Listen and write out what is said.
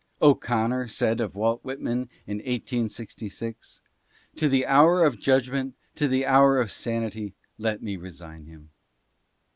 O'Connor said of Walt Whitman in 1866: " To the hour of judgment, to the hour of sanity — let me resign him."